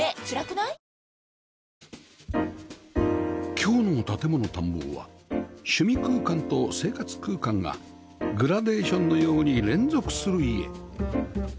今日の『建もの探訪』は趣味空間と生活空間がグラデーションのように連続する家